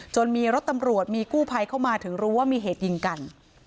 มีรถตำรวจมีกู้ภัยเข้ามาถึงรู้ว่ามีเหตุยิงกัน